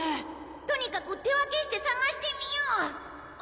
とにかく手分けして捜してみよう！